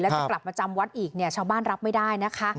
แล้วจะกลับมาจำวัดอีกชาวบ้านรับไม่ได้นะคะ